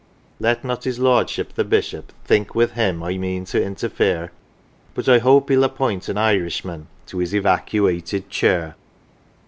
" Let not his lordship, the bishop, think with him I mean to interfair, But I hope he'll appoint an Irishman to his evacuated chair."